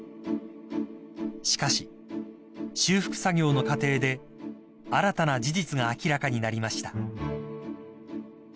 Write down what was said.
［しかし修復作業の過程で新たな事実が明らかになりました］